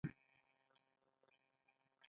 آیا کاناډا د چاپیریال لپاره مالیه نه اخلي؟